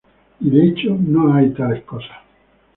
Y de hecho no hay tales cosas.